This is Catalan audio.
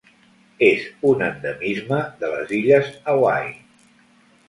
És un endemisme de les Illes Hawaii.